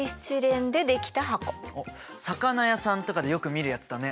おっ魚屋さんとかでよく見るやつだね。